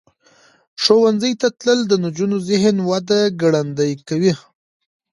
ښوونځي ته تلل د نجونو ذهنی وده ګړندۍ کوي.